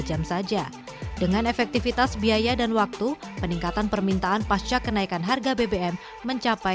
jam saja dengan efektivitas biaya dan waktu peningkatan permintaan pasca kenaikan harga bbm mencapai